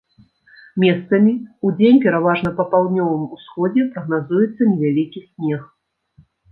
Месцамі, удзень пераважна па паўднёвым усходзе, прагназуецца невялікі снег.